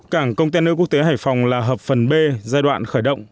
cảng container quốc tế hải phòng là hợp phần b giai đoạn khởi động